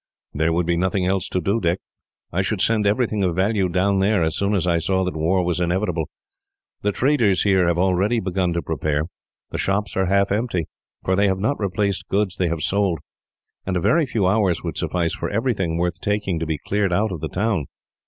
"There would be nothing else to do, Dick. I should send everything of value down there, as soon as I saw that war was inevitable. The traders here have already begun to prepare. The shops are half empty, for they have not replaced goods they have sold, and a very few hours would suffice for everything worth taking to be cleared out of the town.